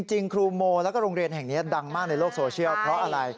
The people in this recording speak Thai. ครูโมแล้วก็โรงเรียนแห่งนี้ดังมากในโลกโซเชียลเพราะอะไร